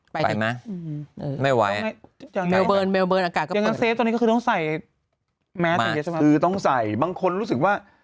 ไปไหมไม่ไหวอากาศก็เปิดตอนนี้ก็คือต้องใส่คือต้องใส่บางคนรู้สึกว่า